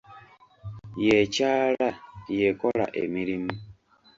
Y'ekyala, y'ekola emirimu.